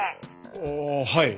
ああはい。